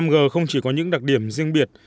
năm g không chỉ có những đặc điểm riêng biệt